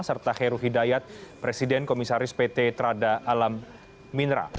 serta heru hidayat presiden komisaris pt trada alam minra